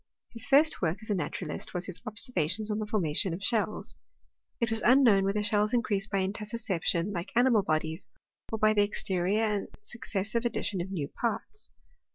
His first work as a naturalist was his observations on the formation of shells. It waa unknown whether shells increase by intussusception^ like animal bodies, or by the exterior and successive addition of new parts.